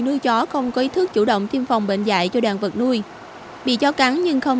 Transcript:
nuôi chó không có ý thức chủ động tiêm phòng bệnh dạy cho đàn vật nuôi bị chó cắn nhưng không